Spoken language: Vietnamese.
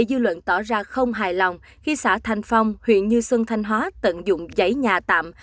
điều này tỏ ra không hài lòng khi xã thành phong huyện như sơn thành hóa tận dụng giấy nhà tạm